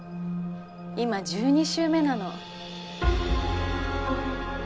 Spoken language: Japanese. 今１２週目なの。